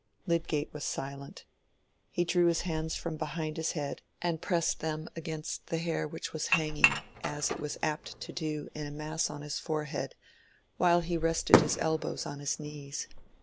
Lydgate was silent. He drew his hands from behind his head and pressed them against the hair which was hanging, as it was apt to do, in a mass on his forehead, while he rested his elbows on his knees.